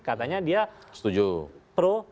katanya dia pro